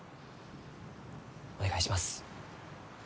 お願いします。